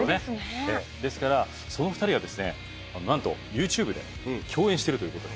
ですからその２人がですね何とＹｏｕＴｕｂｅで共演してるということで。